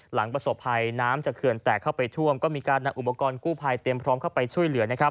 หลังประสบภัยน้ำจากเขื่อนแตกเข้าไปท่วมก็มีการนำอุปกรณ์กู้ภัยเตรียมพร้อมเข้าไปช่วยเหลือนะครับ